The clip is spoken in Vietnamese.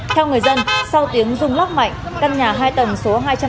theo người dân sau tiếng rung lóc mạnh căn nhà hai tầng số hai trăm tám mươi ba